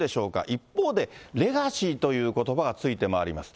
一方で、レガシーということばがついて回ります。